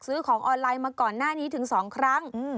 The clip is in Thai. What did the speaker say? ซื้อของออนไลน์มาก่อนหน้านี้ถึง๒ครั้ง